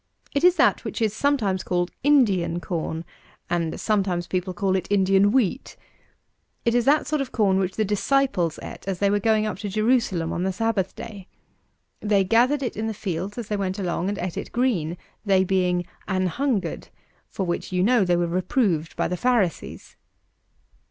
It is that which is sometimes called Indian corn; and sometimes people call it Indian wheat. It is that sort of corn which the disciples ate as they were going up to Jerusalem on the Sabbath day. They gathered it in the fields as they went along and ate it green, they being "an hungered," for which you know they were reproved by the pharisees.